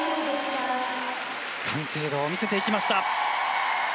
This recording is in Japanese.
完成度を見せていきました。